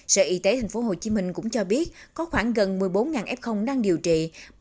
sở y tế tp hcm cũng cho biết có khoảng gần một mươi bốn f đang điều trị